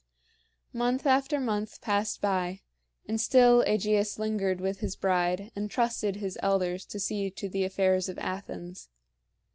Month after month passed by, and still AEgeus lingered with his bride and trusted his elders to see to the affairs of Athens.